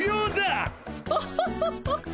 オホホホホ